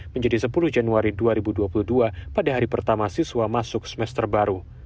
menjadi sepuluh januari dua ribu dua puluh dua pada hari pertama siswa masuk semester baru